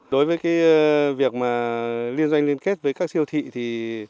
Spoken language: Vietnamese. đối với việc liên doanh liên kết với các siêu thị thì